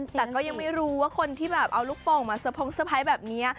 แต่ก็ไม่รู้ว่าคนที่เอาลูกโป่งมาเซอร์ไพรส์แบบนี้